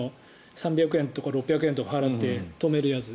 ３００円とか６００円とか払って止めるやつ